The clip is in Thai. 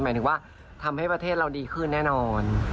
หมายถึงว่าทำให้ประเทศเราดีขึ้นแน่นอน